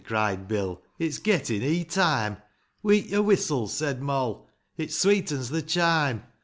cried Bill, " It's gettin' hee time !"" Weet yor whistles !" said Mall, *' It sweetens the chime